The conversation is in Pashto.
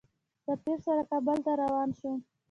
سفیر سره کابل ته روان شوم.